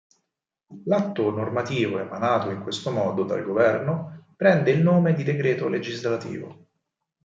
L'atto normativo emanato in questo modo dal Governo prende il nome di decreto legislativo.